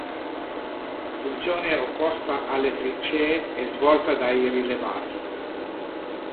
Funzione opposta alle trincee è svolta dai rilevati.